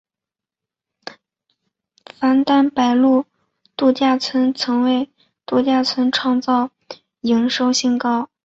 枫丹白露度假村曾为度假村创造营收新高。